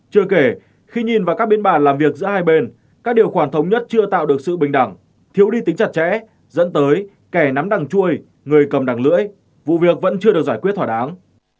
chưa kể khi nhìn vào các biên bản làm việc giữa hai bên các điều khoản thống nhất chưa tạo được sự bình đẳng thiếu đi tính chặt chẽ dẫn tới kẻ nắm đằng chui người cầm đằng lưỡi vụ việc vẫn chưa được giải quyết thỏa đáng